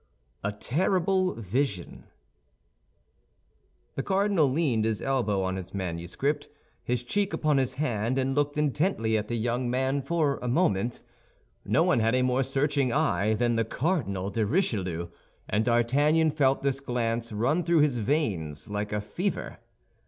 A TERRIBLE VISION The cardinal leaned his elbow on his manuscript, his cheek upon his hand, and looked intently at the young man for a moment. No one had a more searching eye than the Cardinal de Richelieu, and D'Artagnan felt this glance run through his veins like a fever.